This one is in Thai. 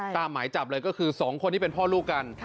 หมายจับเลยก็คือ๒คนที่เป็นพ่อลูกกัน